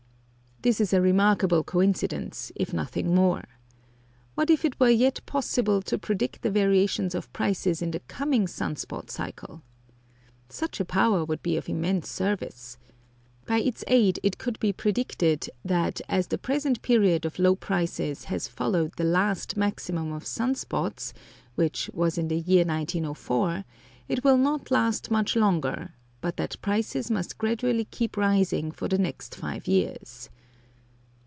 This is a remarkable coincidence, if nothing more. What if it were yet possible to predict the variations of prices in the coming sun spot cycle? Such a power would be of immense service. By its aid it could be predicted that, as the present period of low prices has followed the last maximum of sun spots, which was in the year 1904, it will not last much longer, but that prices must gradually keep rising for the next five years.